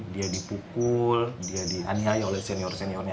dia dipukul dia dianiaya oleh senior seniornya